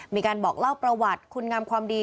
มีการบอกเล่าประวัติคุณงามความดี